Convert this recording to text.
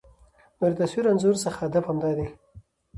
نو د تصوير انځور څخه هدف همدا دى